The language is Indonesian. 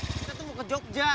kita tuh mau ke jogja